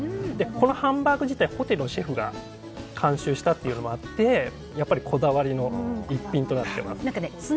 このハンバーグ自体ホテルのシェフが監修したというのもあってこだわりの一品となっています。